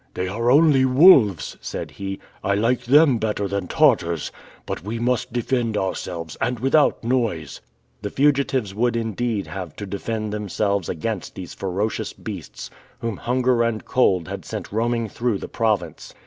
"They are only wolves!" said he. "I like them better than Tartars. But we must defend ourselves, and without noise!" The fugitives would indeed have to defend themselves against these ferocious beasts, whom hunger and cold had sent roaming through the province.